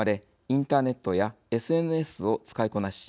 インターネットやＳＮＳを使いこなし